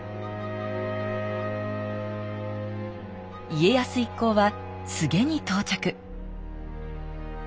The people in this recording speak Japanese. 家康一行は柘植に到着